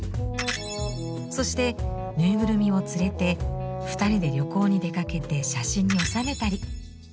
そしてぬいぐるみを連れて２人で旅行に出かけて写真に収めたり。